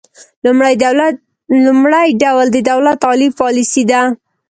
لومړی ډول د دولت عالي پالیسي ده